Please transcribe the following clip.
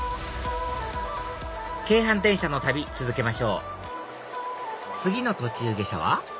京阪電車の旅続けましょう次の途中下車は？